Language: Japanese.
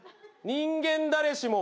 人間誰しも。